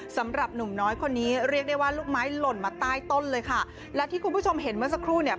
สำหรับหนุ่มน้อยคนนี้เรียกได้ว่าลูกไม้หล่นมาใต้ต้นเลยค่ะและที่คุณผู้ชมเห็นเมื่อสักครู่เนี่ย